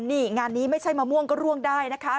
นี่งานนี้ไม่ใช่มะม่วงก็ร่วงได้นะคะ